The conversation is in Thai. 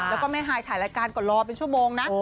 แล้วก็แม่ฮายถ่ายรายการก็รอเป็นชั่วโมงนะ